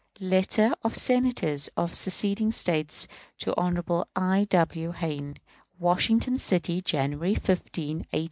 Letter of Senators of seceding States to Hon. I. W. Hayne. Washington City, January 15, 1861.